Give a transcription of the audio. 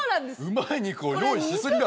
うまい肉を用意しすぎだ。